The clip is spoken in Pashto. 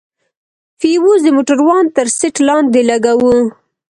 فيوز د موټروان تر سيټ لاندې لگوو.